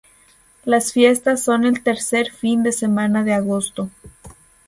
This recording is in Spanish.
Las fiestas son el tercer fin de semana de agosto.